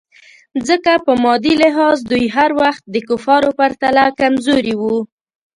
ځکه په مادي لحاظ دوی هر وخت د کفارو پرتله کمزوري وو.